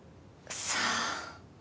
さあ。